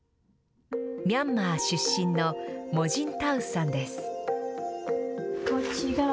ミャンマー出身のモジン・タウッさんです。